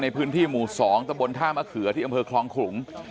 ในพื้นที่หมู่๒ตะบนท่ามะเขือที่อำเภอคลองขลุง